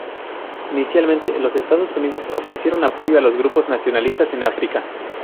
Inicialmente, los Estados Unidos ofrecieron apoyo a los grupos nacionalistas en África.